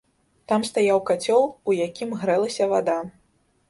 Там стаяў кацёл, у якім грэлася вада.